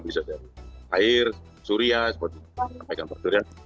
bisa dari air surya seperti yang saya katakan